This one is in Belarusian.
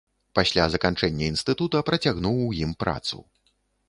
Пасля заканчэння інстытута, працягнуў у ім працу.